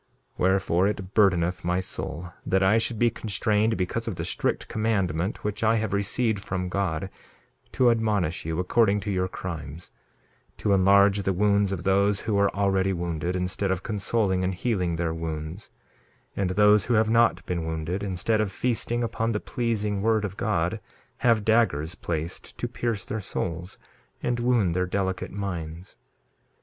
2:9 Wherefore, it burdeneth my soul that I should be constrained, because of the strict commandment which I have received from God, to admonish you according to your crimes, to enlarge the wounds of those who are already wounded, instead of consoling and healing their wounds; and those who have not been wounded, instead of feasting upon the pleasing word of God have daggers placed to pierce their souls and wound their delicate minds.